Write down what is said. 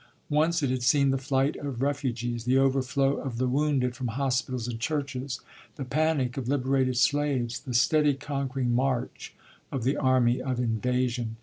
Once it had seen the flight of refugees, the overflow of the wounded from hospitals and churches, the panic of liberated slaves, the steady conquering march of the army of invasion.